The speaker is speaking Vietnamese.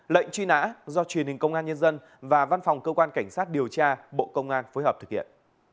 lệnh truy nã do truyền hình công an nhân dân và văn phòng cơ quan cảnh sát điều tra bộ công an phối hợp thực hiện